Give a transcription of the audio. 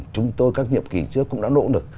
chúng tôi các nhiệm kỳ trước cũng đã nỗ lực